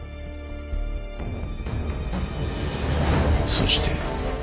そして。